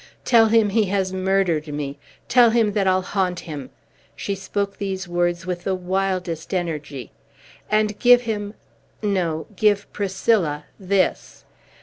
Tell him he has murdered me! Tell him that I'll haunt him! " She spoke these words with the wildest energy. "And give him no, give Priscilla this!"